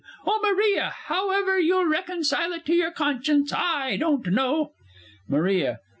Oh, Maria, however you'll reconcile it to your conscience, I don't know! MARIA.